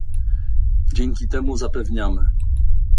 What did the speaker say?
Dzięki temu zapewniamy